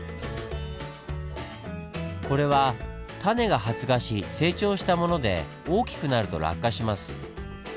これは種が発芽し成長したもので大きくなると落下します。